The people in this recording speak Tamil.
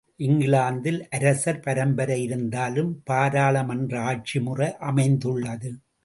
இங்கிலாந்தில் அரசர் பரம்பரை இருந்தாலும் பாராளுமன்ற ஆட்சி முறை அமைந்துள்ளது.